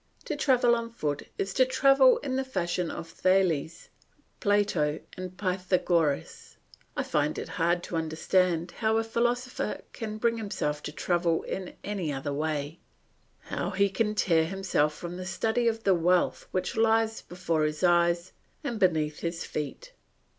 To travel on foot is to travel in the fashion of Thales, Plato, and Pythagoras. I find it hard to understand how a philosopher can bring himself to travel in any other way; how he can tear himself from the study of the wealth which lies before his eyes and beneath his feet.